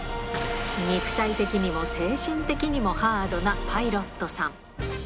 肉体的にも精神的にもハードなパイロットさん。